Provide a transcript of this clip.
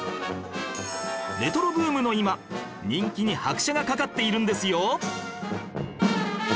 レトロブームの今人気に拍車がかかっているんですよ